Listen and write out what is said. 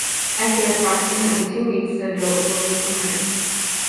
After approximately two weeks the adult will emerge.